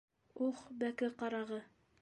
- Ух, бәке ҡарағы!